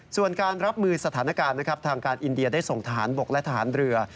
ส่วนการรับมือสถานการณ์นะครับทางการอินเดียได้ส่งทหารบกและทหารเรือ